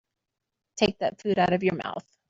Take that food out of your mouth.